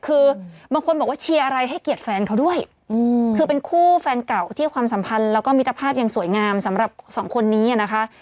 คือบางคนบอกว่าเชียร์อะไรให้เกียรติแฟนเขาด้วยคือเป็นคู่แฟนเก่าที่ความสัมพันธ์แล้วก็มิตรภาพยังสวยงามสำหรับสองคนนี้นะคะ